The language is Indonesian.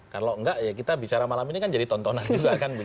kalau enggak ya kita bicara malam ini kan jadi tontonan juga kan